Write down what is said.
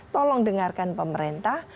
tolong dengarkan pemerintah